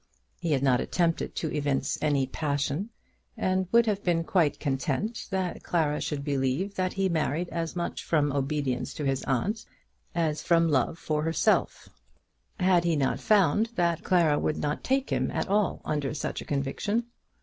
He had not attempted to evince any passion, and would have been quite content that Clara should believe that he married as much from obedience to his aunt as from love for herself, had he not found that Clara would not take him at all under such a conviction.